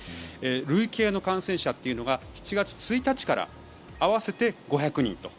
累計の感染者が７月１日から合わせて５００人と。